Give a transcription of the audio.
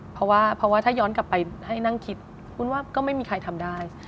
เพราะว่าเพราะว่าถ้าย้อนกลับไปให้นั่งคิดวุ้นว่าก็ไม่มีใครทำได้